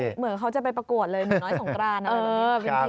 เหมือนเขาจะไปประกวดเลยหนึ่งน้อยสองกรานอะไรแบบนี้